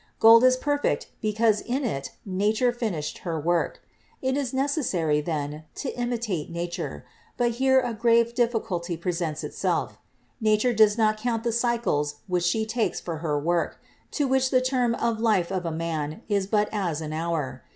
Gold is perfect because in it Nature finished her work. It is necessary, then, to imitate Nature, but here a grave difficulty presents itself. Nature does not count the cycles which she takes for her work, to which the term of life of a man is but as an hour.